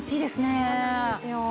そうなんですよ。